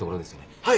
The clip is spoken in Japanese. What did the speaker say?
はい。